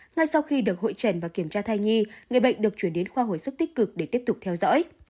ngay sau khi được hội trần và kiểm tra thai nhi người bệnh được chuyển đến khoa hồi sức tích cực để tiếp tục theo dõi